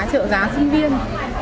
trợ giá sinh viên